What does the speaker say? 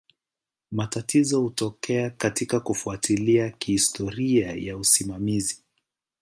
Matatizo hutokea katika kufuatilia historia ya usimamizi.